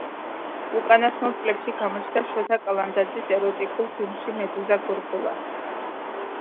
უკანასკნელ წლებში გამოჩნდა შოთა კალანდაძის ეროტიკულ ფილმში „მედუზა გორგონა“.